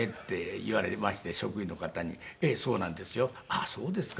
「ああそうですか。